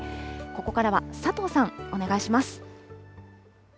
ここからは佐藤さん、お願いしま